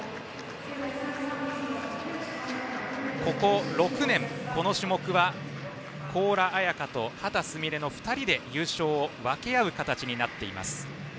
ここ６年、この種目は高良彩花と秦澄美鈴の２人で優勝を分け合う形になっています。